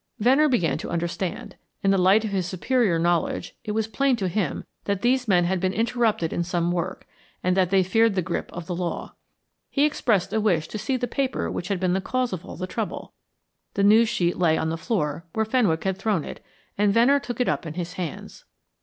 Venner began to understand; in the light of his superior knowledge it was plain to him that these men had been interrupted in some work, and that they feared the grip of the law. He expressed a wish to see the paper which had been the cause of all the trouble. The news sheet lay on the floor where Fenwick had thrown it, and Venner took it up in his hands.